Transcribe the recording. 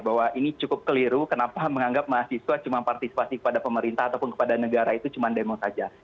bahwa ini cukup keliru kenapa menganggap mahasiswa cuma partisipasi kepada pemerintah ataupun kepada negara itu cuma demo saja